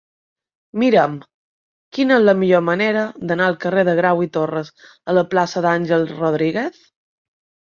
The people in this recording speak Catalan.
Mira'm quina és la millor manera d'anar del carrer de Grau i Torras a la plaça d'Àngel Rodríguez.